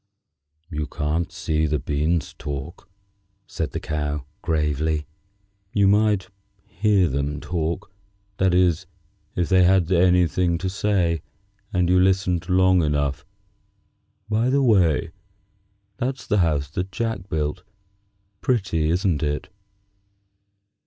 "You can't see the beans talk," said the Cow, gravely. "You might hear them talk; that is, if they had anything to say, and you listened long enough. By the way, that's the house that Jack built. Pretty, isn't it?"